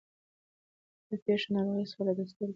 ورته پېښه ناروغي سوله د سترګو